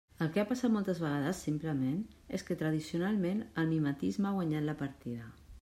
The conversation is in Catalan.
El que ha passat moltes vegades, simplement, és que tradicionalment el mimetisme ha guanyat la partida.